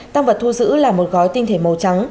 tăng vật thu giữ là một gói tinh thể màu trắng